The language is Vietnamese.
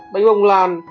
bánh bông lan